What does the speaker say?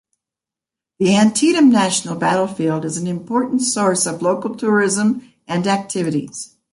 The Antietam National Battlefield is an important source of local tourism and activities.